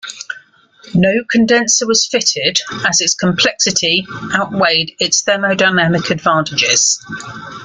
No condenser was fitted, as its complexity outweighed its thermodynamic advantages.